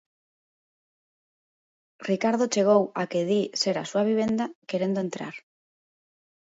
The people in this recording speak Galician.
Ricardo chegou á que di ser a súa vivenda querendo entrar.